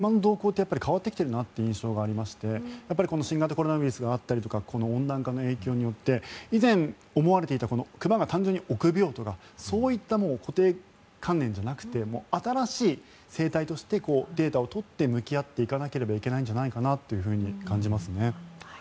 以前取材したことがあるんですがその時と比べて熊の動向が変わってきているなという印象がありまして新型コロナウイルスがあったりとか温暖化の影響によって以前、思われていた熊が単純に臆病とかそういった固定観念じゃなくて新しい生態としてデータを取って向き合っていかなきゃいけないんじゃないかなと感じますね。